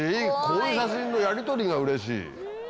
こういう写真のやりとりがうれしい。